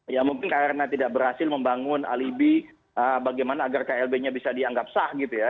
ya mungkin karena tidak berhasil membangun alibi bagaimana agar klb nya bisa dianggap sah gitu ya